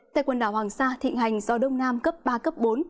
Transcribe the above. tại quần đảo hoàng sa thịnh hành gió đông nam cấp ba cấp bốn